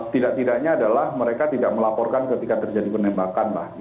tidak tidaknya adalah mereka tidak melaporkan ketika terjadi penembakan